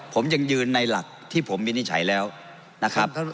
ผมยังยืนในหลักที่ผมวินิจฉัยแล้วนะครับ